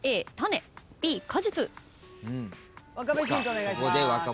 お願いします。